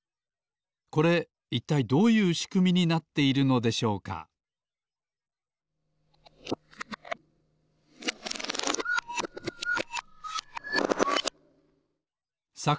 これいったいどういうしくみになっているのでしょうかさ